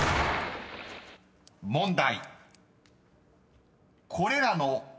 ［問題］